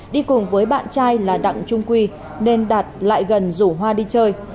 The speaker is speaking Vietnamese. đi cùng với bạn trai là đặng trung quy nên đạt lại gần rủ hoa đi chơi